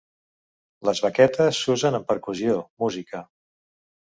Les baquetes s'usen en percussió, música.